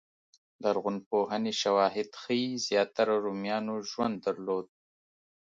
لرغونپوهنې شواهد ښيي زیاتره رومیانو ژوند درلود.